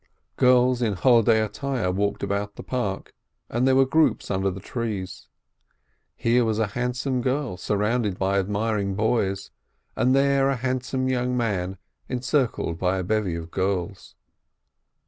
Girls in holiday attire walked about the park, and there were groups under the trees. Here was a hand some girl surrounded by admiring boys, and there a handsome young man encircled by a bevy of girls.